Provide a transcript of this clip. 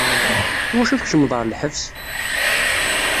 Iwacu tkecmeḍ ɣer lḥebs?